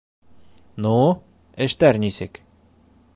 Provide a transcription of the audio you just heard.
— Ну, эштәр нисек?